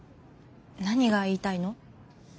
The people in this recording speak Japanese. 何が言いたいの？